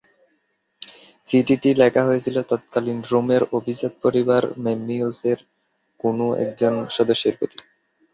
চিঠিটি লেখা হয়েছিল তৎকালীন রোমের অভিজাত পরিবার মেম্মিউস-এর কোন একজন সদস্যের প্রতি।